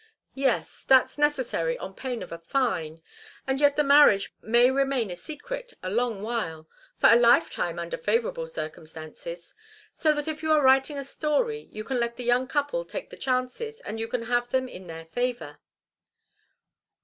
"Yes. That's necessary, on pain of a fine. And yet the marriage may remain a secret a long while for a lifetime under favourable circumstances. So that if you are writing a story you can let the young couple take the chances, and you can give them in their favour."